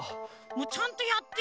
もうちゃんとやって！